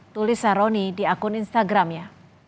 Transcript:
tulis saroni di akun instagram ya